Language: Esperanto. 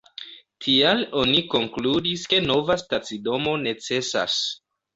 Tial oni konkludis ke nova stacidomo necesas.